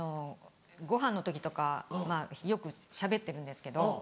ごはんの時とかよくしゃべってるんですけど。